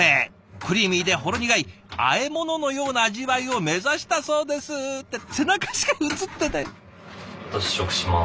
クリーミーでほろ苦いあえ物のような味わいを目指したそうですって背中しか映ってない。